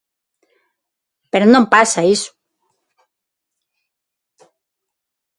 Pero non pasa iso.